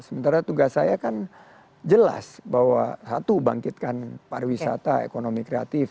sementara tugas saya kan jelas bahwa satu bangkitkan pariwisata ekonomi kreatif